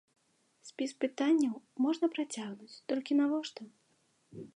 Спіс пытанняў можна працягнуць, толькі навошта?